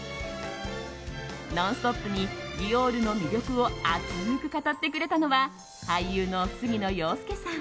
「ノンストップ！」にディオールの魅力を熱く語ってくれたのは俳優の杉野遥亮さん。